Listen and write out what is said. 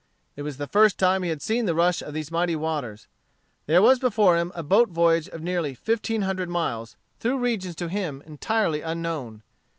It was the first time he had seen the rush of these mighty waters. There was before him a boat voyage of nearly fifteen hundred miles, through regions to him entirely unknown.